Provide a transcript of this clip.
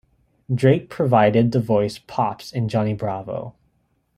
Drake provided the voice Pops in "Johnny Bravo".